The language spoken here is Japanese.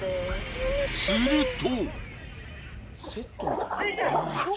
すると。